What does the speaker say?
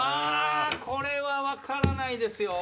これは分からないですよ。